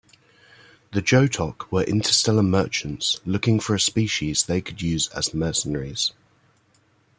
The Jotok were interstellar merchants looking for a species they could use as mercenaries.